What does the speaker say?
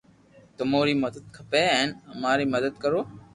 تموري ري مدد کپي ھين اماري مدد ڪرو